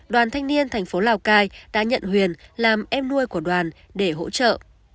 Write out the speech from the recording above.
đoàn thanh niên tp lào cai đã nhận huyền làm em nuôi của đoàn để hỗ trợ